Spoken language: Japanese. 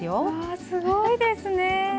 わあすごいですね。